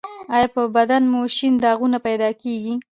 ایا په بدن مو شین داغونه پیدا کیږي؟